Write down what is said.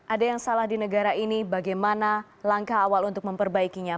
ada yang salah di negara ini bagaimana langkah awal untuk memperbaikinya